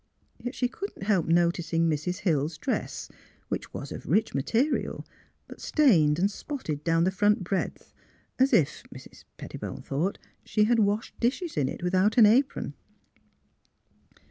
Yet she could not help noticing Mrs. Hill's dress, which "was of rich material, but stained and spotted down the front breadth, as if (Mrs. Pettibone thought) she had washed dishes in it, without an apron.